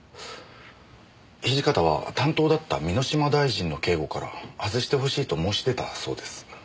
土方は担当だった箕島大臣の警護からはずしてほしいと申し出たそうです。